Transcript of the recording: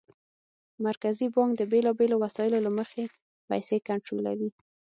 مرکزي بانک د بېلابېلو وسایلو له مخې پیسې کنټرولوي.